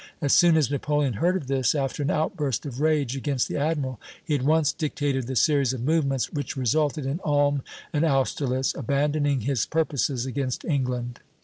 As soon as Napoleon heard of this, after an outburst of rage against the admiral, he at once dictated the series of movements which resulted in Ulm and Austerlitz, abandoning his purposes against England.